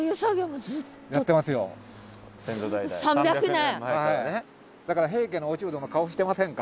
３００年。